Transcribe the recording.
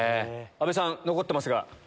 阿部さん残ってますが。